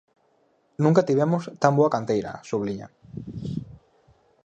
Nunca tivemos tan boa canteira, subliña.